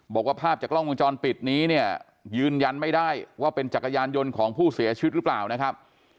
บอกว่าภาพจากกล้องวงจรปิดนี้เนี่ยยืนยันไม่ได้ว่าเป็นจักรยานยนต์ของผู้เสียชีวิตหรือเปล่านะครับ